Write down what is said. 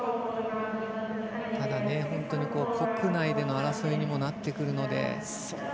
ただ、国内での争いにもなってくるので。